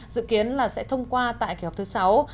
dự kiến là sẽ thông qua tại kỳ họp thứ sáu